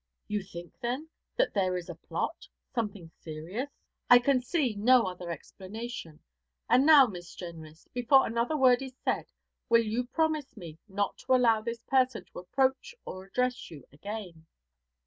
'You think, then, that there is a plot something serious?' 'I can see no other explanation; and now, Miss Jenrys, before another word is said, will you promise me not to allow this person to approach or address you again?'